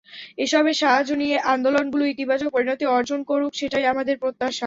এসবের সাহায্য নিয়ে আন্দোলনগুলো ইতিবাচক পরিণতি অর্জন করুক, সেটাই আমাদের প্রত্যাশা।